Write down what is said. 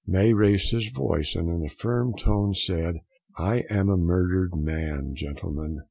May raised his voice, and in a firm tone said, "I am a murdered man, gentlemen."